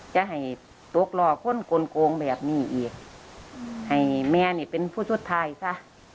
จะให้ตกหล่อคนกลงแบบนี้อีกให้เมียนี่เป็นผู้ชดทายซะ